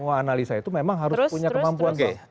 bahwa analisa itu memang harus punya kemampuan